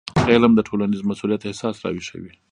علم د ټولنیز مسؤلیت احساس راویښوي.